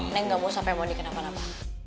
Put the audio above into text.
nek enggak mau sampai mau dikenapa napa